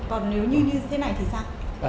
còn nếu như thế này thì sao